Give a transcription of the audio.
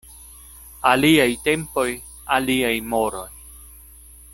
Aliaj tempoj, aliaj moroj.